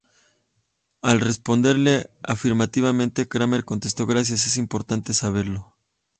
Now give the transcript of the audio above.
Al responderle afirmativamente, Kramer contestó "gracias, es importante saberlo".